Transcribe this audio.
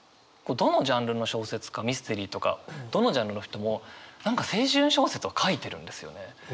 どのジャンルの小説家ミステリーとかどのジャンルの人も何か青春小説は書いてるんですよね。